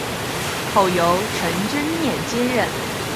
后由陈增稔接任。